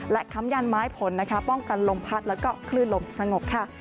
และค้ำยันไม้ผลนะคะป้องกันลมพัดแล้วก็คลื่นลมสงบค่ะ